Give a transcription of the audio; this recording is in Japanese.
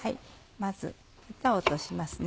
まずヘタを落としますね。